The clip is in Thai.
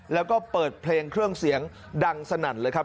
แล้วก็เปิดเพลงเครื่องเสียงดังสนั่นเลยครับ